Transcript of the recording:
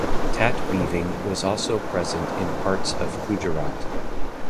Tat weaving was also present in parts of Gujarat.